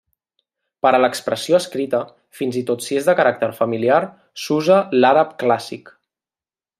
Per a l'expressió escrita, fins i tot si és de caràcter familiar, s'usa l'àrab clàssic.